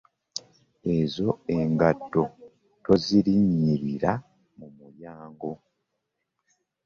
Ezo engatto tozirinyira mu mulyango.